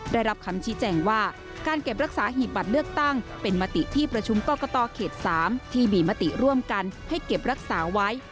ได้รับคำชี้แจ้งว่า